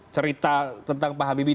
cerita tentang pak habibie